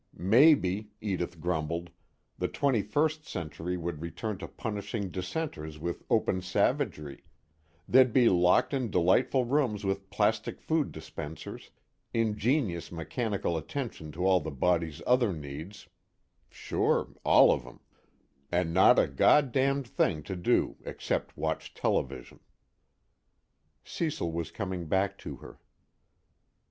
Maybe, Edith grumbled, the twenty first century would return to punishing dissenters with open savagery: they'd be locked in delightful rooms with plastic food dispensers, ingenious mechanical attention to all the body's other needs (sure, all of 'em) and not a God damned thing to do except watch television. Cecil was coming back to her.